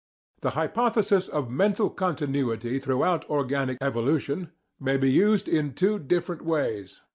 The hypothesis of mental continuity throughout organic evolution may be used in two different ways.